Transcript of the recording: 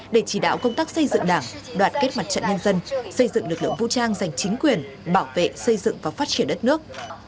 để chỉ đạo công tác xây dựng đảng đoạt kết mặt trận nhân dân xây dựng lực lượng vũ trang giành chính quyền bảo vệ xây dựng và phát triển đất nước